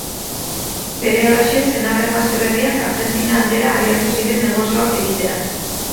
Berehalaxe, senar-emazte berriak Argentina aldera abiatu ziren negozioak egitera.